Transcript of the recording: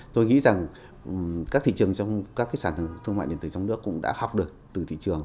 tôi nghĩ rằng các thị trường trong các cái sản thương mại điện tử trong nước cũng đã học được từ thị trường